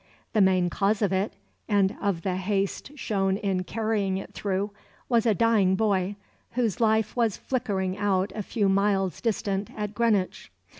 The main cause of it, and of the haste shown in carrying it through, was a dying boy, whose life was flickering out a few miles distant at Greenwich.